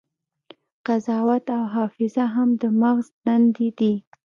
قضاوت او حافظه هم د مغز دندې دي.